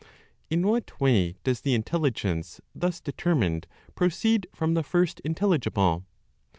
In what way does the intelligence, thus determined, proceed from the (First) Intelligible?